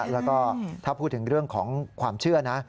แล้วก็ถ้าพูดถึงเรื่องของความเชื่อนะ